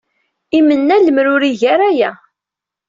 Imenna lemmer ur igi ara aya.